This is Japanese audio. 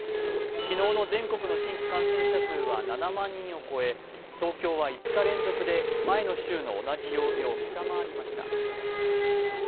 昨日の全国の新規感染者数は７万人を超え東京は５日連続で前の週の同じ曜日を下回りました。